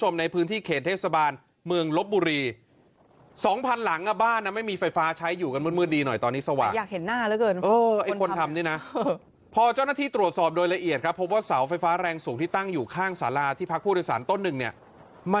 ไม่มีไฟฟ้าใช้ปรากฏมารู้ต้นเหตุล่ะ